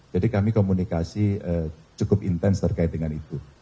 jadi kami komunikasi cukup intens terkait dengan itu